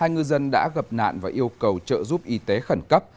hai ngư dân đã gặp nạn và yêu cầu trợ giúp y tế khẩn cấp